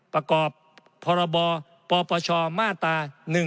ประกอบพรบปปชมาตรา๑๑๒